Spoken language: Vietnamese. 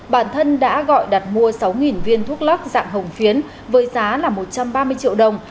bản thân đã gọi đặt mua sáu viên thuốc lắc dạng hồng phiến với giá là một trăm ba mươi triệu đồng